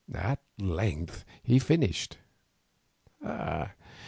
At length he finished.